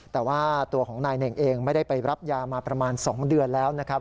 แต่ว่าตัวของนายเน่งเองไม่ได้ไปรับยามาประมาณ๒เดือนแล้วนะครับ